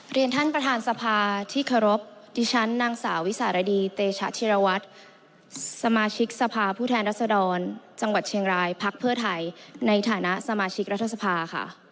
เรียนท่านประธานสภาที่เคารพดิฉันนางสาววิสารดีเตชะธิรวัตรสมาชิกสภาผู้แทนรัศดรจังหวัดเชียงรายพักเพื่อไทยในฐานะสมาชิกรัฐสภาค่ะ